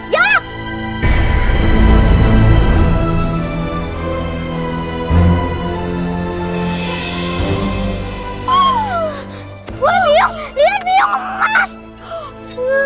wah biung lihat biung emas